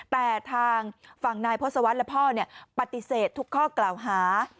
แต่ทางฝั่งนายพศวรรษและพ่อปฏิเสธทุกข้อกล่าวหา